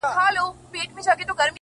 o زه؛